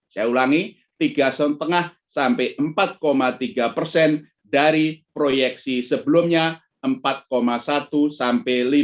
saya ulangi tiga lima sampai empat tiga persen dari proyeksi sebelumnya empat satu sampai lima